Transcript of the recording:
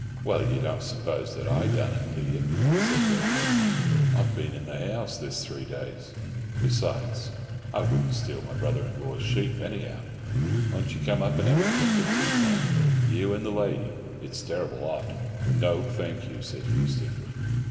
"Well, you don't suppose that I done it, do you?" said Red Mick. "I've been in the house this three days. Besides, I wouldn't steal my brother in law's sheep, anyhow. Won't ye come up, and have a dhrink of tea now, you and the lady? It's terrible hot." "No, thank you," said Hugh stiffly.